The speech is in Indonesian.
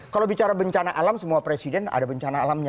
kalau bicara bencana alam semua presiden ada bencana alamnya